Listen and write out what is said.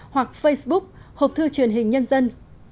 hoặc facebook hộp thư truyền hình nhân dân